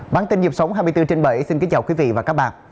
bản tin nhịp sống hai mươi bốn trên bảy xin kính chào quý vị và các bạn